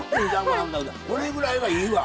これぐらいがいいわ。